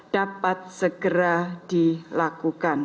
dapat segera dilakukan